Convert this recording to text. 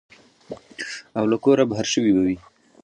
او له کوره بهر شوي به وي.